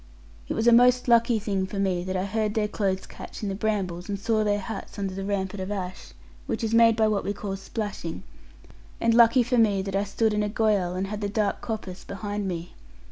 It was a most lucky thing for me, that I heard their clothes catch in the brambles, and saw their hats under the rampart of ash, which is made by what we call 'splashing,' and lucky, for me that I stood in a goyal, and had the dark coppice behind me.